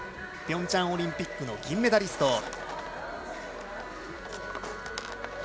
ピョンチャンオリンピックの銀メダリスト。